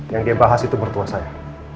yang dia bahas itu mertua saya